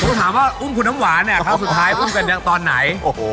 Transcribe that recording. ดูถามว่าอุ้มคุณท้องหวานแหละครับสุดท้ายอุ้มกันอย่างตอนไหน